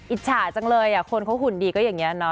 อิจฉาจังเลยคนเขาหุ่นดีก็อย่างนี้เนาะ